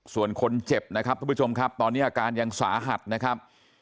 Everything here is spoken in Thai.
ส่วนคนเจ็บนะครับทุกผู้ชมครับตอนนี้อาการยังสาหัสนะครับ